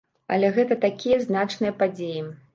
Але гэта такія значныя падзеі.